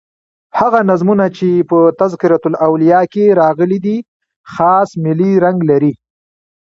هغه نظمونه چي په "تذکرةالاولیاء" کښي راغلي دي خاص ملي رنګ لري.